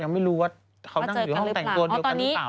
ไม่รู้ว่าเขานั่งอยู่ห้องแต่งตัวเดียวกันหรือเปล่า